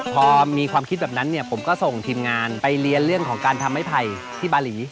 พอมีความคิดแบบนั้นเนี่ยผมก็ส่งทีมงานไปเรียนเรื่องของการทำไม้ไผ่ที่บาหลี